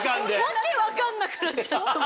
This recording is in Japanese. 訳分かんなくなっちゃって。